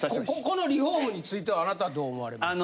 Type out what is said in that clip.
このリフォームについてはあなたどう思われますか？